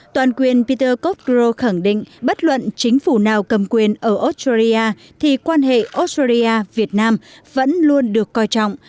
toàn quyền peter cotgrove khẳng định bất luận chính phủ nào cầm quyền ở australia thì quan hệ australia việt nam vẫn luôn được coi trọng